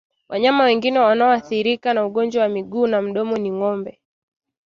Wanyama wengine wanaoathirika na ugonjwa wa miguu na mdomo ni ngombe